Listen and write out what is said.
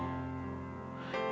dan mengangkat satu tanganku